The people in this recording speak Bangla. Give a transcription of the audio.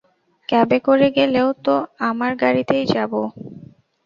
ক্যাবে করে গেলেও তো আমরা বাড়িতেই যাবো।